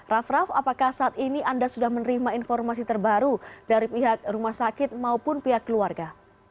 raff raff apakah saat ini anda sudah menerima informasi terbaru dari pihak rumah sakit maupun pihak keluarga